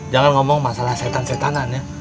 jangan ngomong masalah setan setanan ya